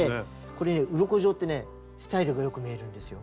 これねうろこ状ってねスタイルがよく見えるんですよ。